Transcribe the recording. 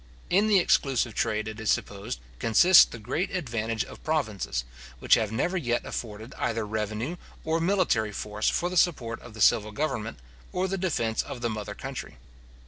In the exclusive trade, it is supposed, consists the great advantage of provinces, which have never yet afforded either revenue or military force for the support of the civil government, or the defence of the mother country.